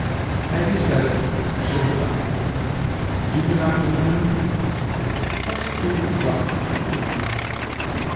Had you said it, I should have leapt. Do you not believe me?" "What stupid rubbish!" she cried.